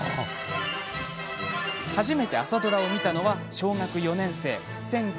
初めて朝ドラを見たのは小学４年生。